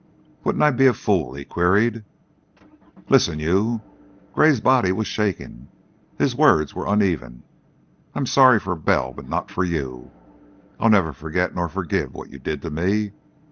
"Wouldn't I be a fool?" he queried. "Listen, you " Gray's body was shaking, his words were uneven. "I'm sorry for Bell, but not for you. I'll never forget nor forgive what you did to me.